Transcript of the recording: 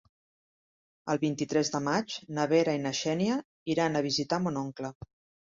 El vint-i-tres de maig na Vera i na Xènia iran a visitar mon oncle.